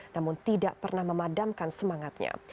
namun tidak pernah memadamkan semangatnya